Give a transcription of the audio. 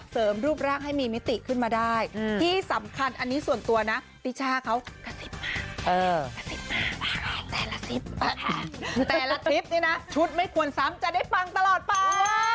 รูปร่างให้มีมิติขึ้นมาได้ที่สำคัญอันนี้ส่วนตัวนะติช่าเขากระซิบแต่ละทริปแต่ละทริปนี้นะชุดไม่ควรซ้ำจะได้ฟังตลอดไป